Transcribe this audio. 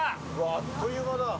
あっという間だ。